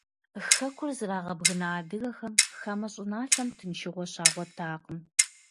Хэкур зрагъэбгына адыгэхэм хамэ щӀыналъэм тыншыгъуэ щагъуэтакъым.